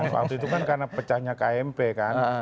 waktu itu kan karena pecahnya kmp kan